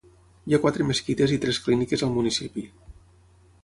Hi ha quatre mesquites i tres clíniques al municipi.